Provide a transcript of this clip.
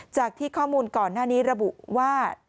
จากที่ข้อมูลก่อนหน้านี้ระบุว่า